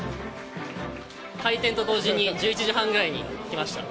開店と同時に１１時半ぐらいに来ました。